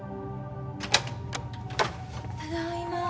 ただいま。